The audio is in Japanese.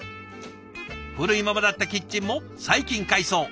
古いままだったキッチンも最近改装。